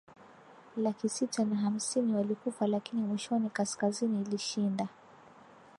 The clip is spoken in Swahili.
lakisita na hamsini walikufa lakini mwishoni kaskazini ilishinda